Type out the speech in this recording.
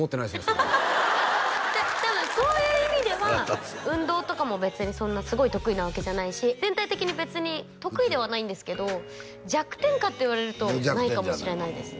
それは多分そういう意味では運動とかも別にそんなすごい得意なわけじゃないし全体的に別に得意ではないんですけど弱点かって言われるとないかもしれないですね